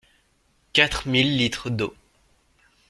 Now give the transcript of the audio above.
Quatre mille litres d’eau.